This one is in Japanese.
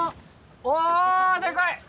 おおでかい！